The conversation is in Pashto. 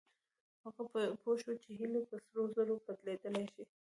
هغه پوه شو چې هيلې په سرو زرو بدلېدلای شي.